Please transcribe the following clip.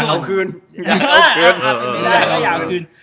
อยากเอาคืน